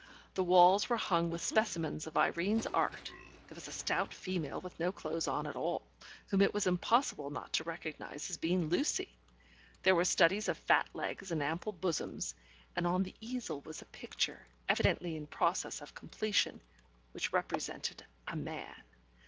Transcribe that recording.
The walls were hung with specimens of Irene's art, there was a stout female with no clothes on at all, whom it was impossible not to recognize as being Lucy; there were studies of fat legs and ample bosoms, and on the easel was a picture, evidently in process of completion, which represented a man.